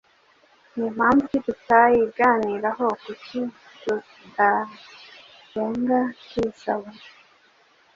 Ni mpamvu ki tutayiganiraho, kuki tudasenga tuyisaba